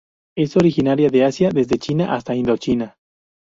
Es originaria de Asia desde China hasta Indochina..